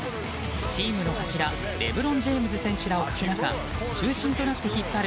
チームの柱レブロン・ジェームズ選手らを欠く中中心となって引っ張る